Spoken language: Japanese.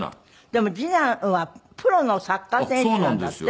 でも次男はプロのサッカー選手なんだって？